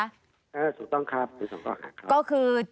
ถูกต้องครับก็คือ